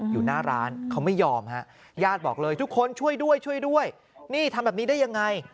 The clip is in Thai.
อยู่หน้าร้านเขาไม่ยอมฮะญาติบอกเลยทุกคนช่วยด้วยช่วยด้วยนี่ทำแบบนี้ได้ยังไง